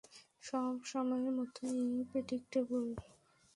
সবসময়ের মতোই প্রেডিক্টেবল।